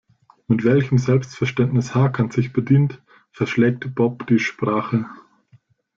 Mit welchem Selbstverständnis Hakan sich bedient, verschlägt Bob die Sprache.